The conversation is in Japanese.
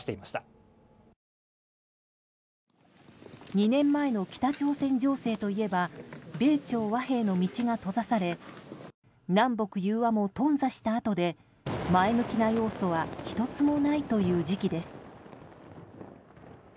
２年前の北朝鮮情勢といえば米朝和平の道が閉ざされ南北融和もとん挫したあとで前向きな要素は１つもないという時期です。